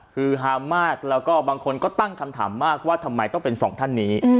คือฮามากแล้วก็บางคนก็ตั้งคำถามมากว่าทำไมต้องเป็นสองท่านนี้